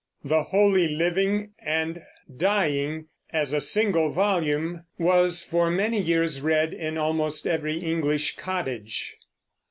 The Holy Living and Dying, as a single volume, was for many years read in almost every English cottage.